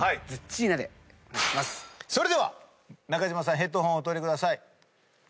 それでは中島さんヘッドホンをお取りください。